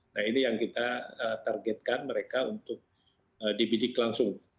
nah ini yang kita targetkan mereka untuk dibidik langsung